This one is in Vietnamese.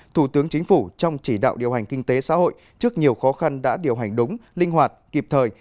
thủ tướng chính phủ trong chỉ đạo điều hành kinh tế xã hội trước nhiều khó khăn đã điều hành đúng linh hoạt kịp thời